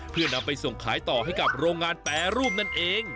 เพื่อนำไปส่งขายต่อให้กับโรงงานแปรรูปนั่นเอง